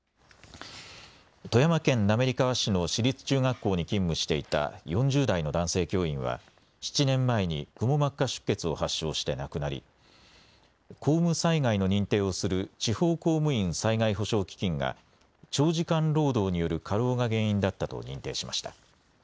富山県滑川市の市立中学校に勤務していた４０代の男性教員は７年前にくも膜下出血を発症して亡くなり公務災害の認定をする地方公務員災害補償基金が長時間労働による過労が原因だったと認定しました。